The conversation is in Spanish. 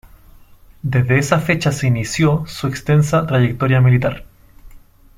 Desde esa fecha se inició su extensa trayectoria militar.